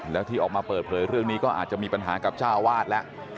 แล้วที่ออกมาเปิดเผยเรื่องนี้ก็อาจจะมีปัญหากับเจ้าอาวาสแล้ว